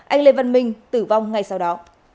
anh lê văn minh tử vong ngay sau đó